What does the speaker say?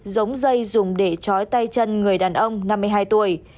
giống dây dùng để chói tay chân người đàn ông năm mươi hai tuổi